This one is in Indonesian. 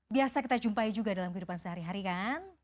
biasa kita jumpai juga dalam kehidupan sehari hari kan